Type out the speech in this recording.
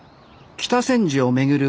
北千住を巡る